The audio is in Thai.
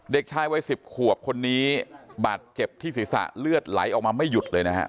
เด็กชายวัย๑๐ขวบคนนี้บาดเจ็บที่ศีรษะเลือดไหลออกมาไม่หยุดเลยนะฮะ